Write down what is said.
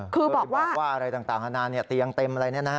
คือไปบอกว่าอะไรต่างนานาเตียงเต็มอะไร